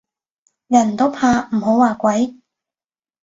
人都怕唔好話鬼